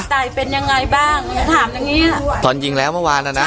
ตายเป็นยังไงบ้างถามอย่างงี้อ่ะตอนยิงแล้วเมื่อวานอ่ะนะ